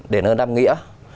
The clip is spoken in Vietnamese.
đền ơn đam nghĩa